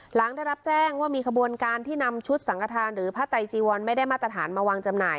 หลังได้รับแจ้งว่ามีขบวนการที่นำชุดสังฆฐานหรือผ้าไตจีวรไม่ได้มาตรฐานมาวางจำหน่าย